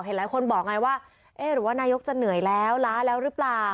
หลายคนบอกไงว่าเอ๊ะหรือว่านายกจะเหนื่อยแล้วล้าแล้วหรือเปล่า